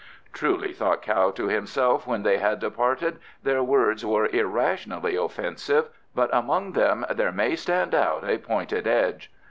"Truly," thought Kao to himself when they had departed, "their words were irrationally offensive, but among them there may stand out a pointed edge.